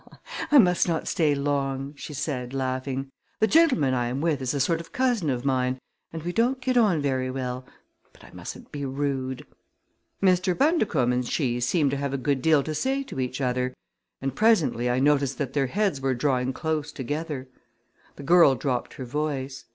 "I must not stay long," she said, laughing. "The gentleman I am with is a sort of cousin of mine and we don't get on very well; but I mustn't be rude." Mr. Bundercombe and she seemed to have a good deal to say to each other and presently I noticed that their heads were drawing closer together. The girl dropped her voice.